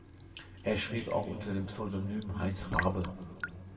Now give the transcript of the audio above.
Er schrieb auch unter dem Pseudonym "Heinz Raabe".